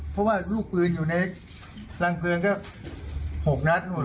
เพราะว่าลูกปืนอยู่ในรังเพลิงก็๖นัดนู่น